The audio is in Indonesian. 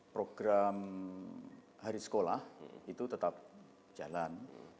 program hari sekolah itu tetap jalan